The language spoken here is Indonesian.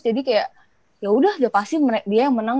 jadi kayak yaudah dia yang pasti menang